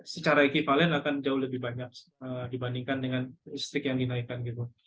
secara ekipalen akan jauh lebih banyak dibandingkan dengan listrik yang dinaikkan gitu